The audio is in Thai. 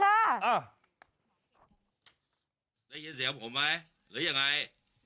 ได้ยินเสียงผมไหมหรือยังไง